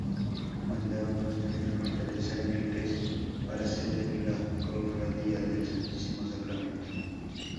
Mandada construir por Teresa Enríquez para sede la cofradía del Santísimo Sacramento.